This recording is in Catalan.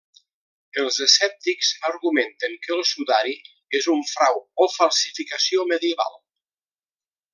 Els escèptics argumenten que el sudari és un frau o falsificació medieval.